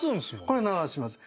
これ鳴らします。